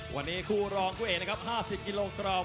วันนี้คู่รองคู่เอกนะครับ๕๐กิโลกรัม